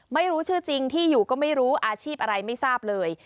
ไม่รู้ชื่อจริงที่อยู่ก็ไม่รู้อาชีพอะไรไม่ทราบเลย